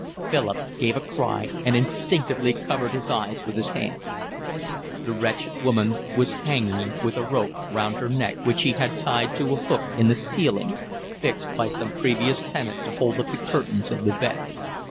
Philip gave a cry and instinctively covered his eyes with his hands. The wretched woman was hanging with a rope round her neck, which she had tied to a hook in the ceiling fixed by some previous tenant to hold up the curtains of the bed.